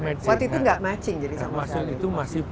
waktu itu gak matching jadi sama sekali